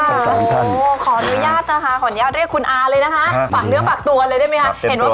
สวัสดีครับ